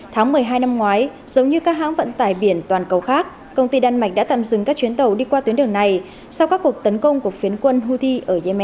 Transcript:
tháng một mươi hai năm ngoái giống như các hãng vận tải biển toàn cầu khác công ty đan mạch đã tạm dừng các chuyến tàu đi qua tuyến đường này sau các cuộc tấn công của phiến quân houthi ở yemen